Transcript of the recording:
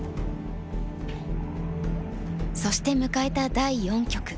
そして迎えた第四局。